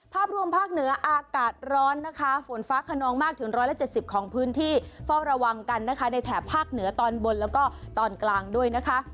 ภาพรวมภาคเหนืออากาศร้อนนะคะฝนฟ้าขนองมากถึง๑๗๐ของพื้นที่เฝ้าระวังกันนะคะในแถบภาคเหนือตอนบนแล้วก็ตอนกลางด้วยนะคะ